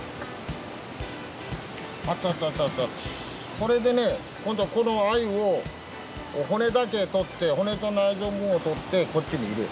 これでね今度この鮎を骨だけ取って骨と内臓部分を取ってこっちに入れる。